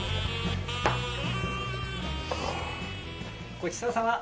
ごちそうさま。